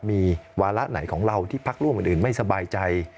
มีวาระไหนของเราที่พักร่วมอื่นไม่สบายใจ